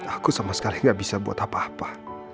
aku sama sekali gak bisa buat apa apa